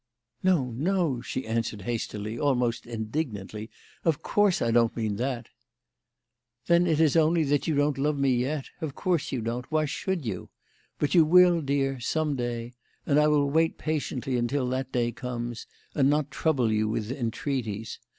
"No, no," she answered, hastily almost indignantly, "of course I don't mean that." "Then it is only that you don't love me yet. Of course you don't. Why should you? But you will, dear, some day. And I will wait patiently until that day comes and not trouble you with entreaties.